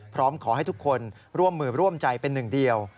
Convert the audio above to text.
พร้อมขอให้ทุกคนร่วมมือร่วมใจเป็นหนึ่งเดียว